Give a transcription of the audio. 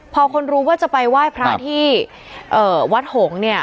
พอคนรู้ว่าจะไปไหว้พระที่วัดหงษ์เนี่ย